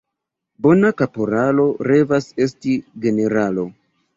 Bona kaporalo revas esti generalo.